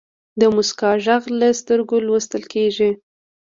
د موسکا ږغ له سترګو لوستل کېږي.